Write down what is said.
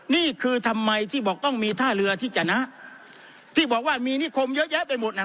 นี่คือทำไมที่บอกต้องมีท่าเรือที่จนะที่บอกว่ามีนิคมเยอะแยะไปหมดน่ะ